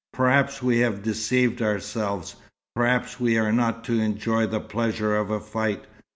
Perhaps we have deceived ourselves. Perhaps we are not to enjoy the pleasure of a fight.